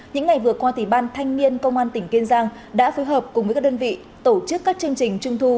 những ngày vừa qua ban thanh niên công an tỉnh kiên giang đã phối hợp cùng với các đơn vị tổ chức các chương trình trung thu